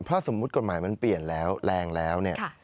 ถ้าสมมุติกฎหมายมันเปลี่ยนแล้วแรงแล้วเนี่ย